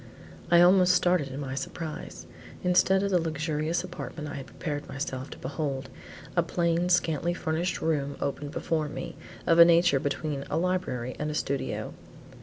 I almost started in my surprise. Instead of the luxurious apartment I had prepared myself to behold, a plain, scantily furnished room opened before me, of a nature between a library and a studio.